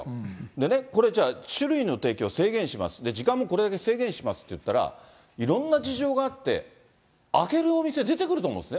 でね、これじゃあ、酒類の提供制限します、時間もこれだけ制限しますっていったら、いろんな事情があって、開けるお店出てくると思うんですよ。